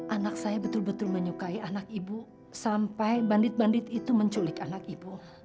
anak saya betul betul menyukai anak ibu sampai bandit bandit itu menculik anak ibu